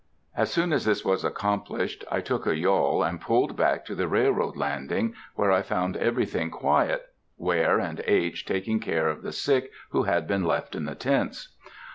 As soon as this was accomplished, I took a yawl, and pulled back to the railroad landing, where I found everything quiet, Ware and H. taking care of the sick who had been left in the tents.